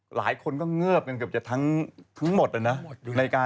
หลายคนก็เงิบกันเกือบจะทั้งหมดนะ